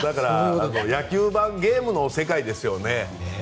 野球盤ゲームの世界ですよね。